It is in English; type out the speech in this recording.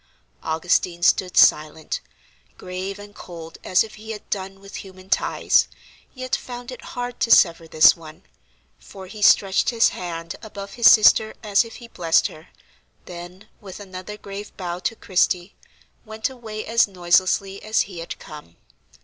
Augustine stood silent, grave and cold as if he had done with human ties, yet found it hard to sever this one, for he stretched his hand above his sister as if he blessed her, then, with another grave bow to Christie, went away as noiselessly as he had come.